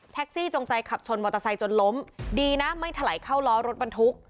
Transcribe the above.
แท็กซี่จงใจขับชนมอเตอร์ไซค์จนล้มดีนะไม่ถลายเข้าร้อรถมันทุกข์